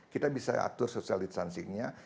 kita bisa atur social distancingnya